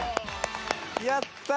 やったー！